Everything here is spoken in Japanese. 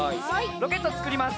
ロケットつくりますよ。